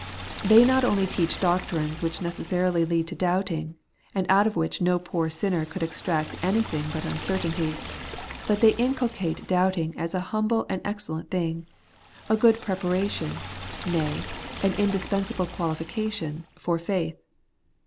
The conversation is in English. They not only teach doctrines which necessarily lead to doubting, and out of which no poor sinner could extract anything but imcertainty ; but they inculcate doubting as a humble and excellent thing ; a good preparation, nay, an indispensable qualification, for faith.